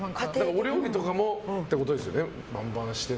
お料理とかもってことですよね？